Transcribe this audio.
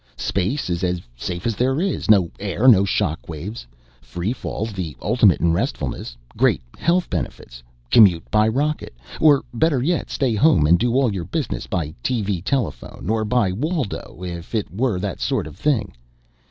Space is as safe as there is: no air, no shock waves. Free fall's the ultimate in restfulness great health benefits. Commute by rocket or better yet stay home and do all your business by TV telephone, or by waldo if it were that sort of thing.